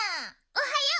おはよう！